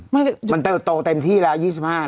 มันโตเต็มที่แล้ว๒๕นาทีนี่นะครับนะครับ